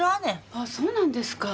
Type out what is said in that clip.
ああそうなんですか？